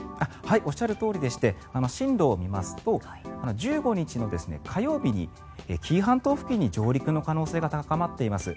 おっしゃるとおりでして進路を見ますと１５日の火曜日に紀伊半島付近に上陸の可能性が高まっています。